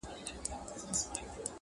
مخامخ وتراشل سوي بت ته ناست دی,